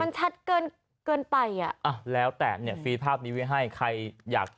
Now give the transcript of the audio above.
มันชัดเกินเกินไปอ่ะอ่ะแล้วแต่เนี่ยฟรีภาพนี้ไว้ให้ใครอยาก